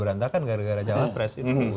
bisa saja bubarkan gara gara jawab pres itu